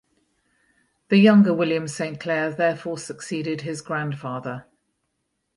The younger William St Clair therefore succeeded his grandfather.